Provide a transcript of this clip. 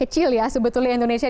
kecil ya sebetulnya indonesia